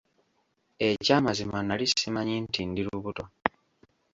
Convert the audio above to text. Eky'amazima nnali ssimanyi nti ndi lubuto.